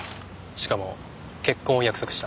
しかも結婚を約束した。